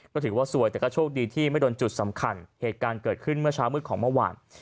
ก็ถือว่าสวยแต่ก็โชคดีที่ไม่โดนจุดสำคัญเหตุการณ์เกิดขึ้นเมื่อเช้ามืดของเมื่อวาน